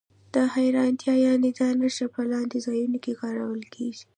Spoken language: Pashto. د حېرانتیا یا ندا نښه په لاندې ځایونو کې کارول کیږي.